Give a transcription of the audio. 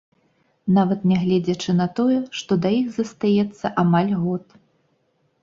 Нават нягледзячы на тое, што да іх застаецца амаль год.